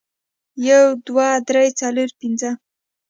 یو، دوه، درې، څلور، پنځه